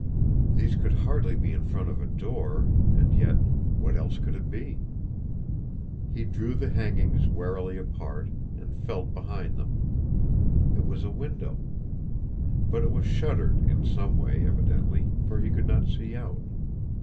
These could hardly be in front of a door, and yet what else could it be? He drew the hangings warily apart, and felt behind them. It was a window; but it was shuttered in some way evidently, for he could not see out.